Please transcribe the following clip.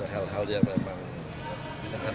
hal hal yang memang